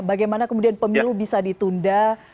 bagaimana kemudian pemilu bisa ditunda